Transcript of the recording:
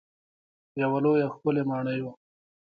یوه لویه ښکلې ماڼۍ وه.